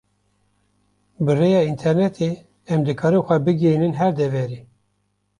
Bi rêya internêtê em dikarin xwe bigihînin her deverê.